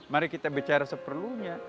mari kita bicara seperlunya